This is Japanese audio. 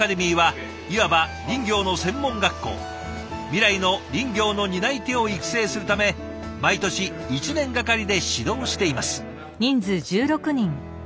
未来の林業の担い手を育成するため毎年１年がかりで指導しています。